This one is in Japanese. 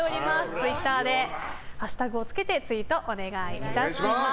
ツイッターでハッシュタグをつけてツイートお願いします。